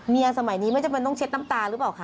สมัยนี้ไม่จำเป็นต้องเช็ดน้ำตาหรือเปล่าคะ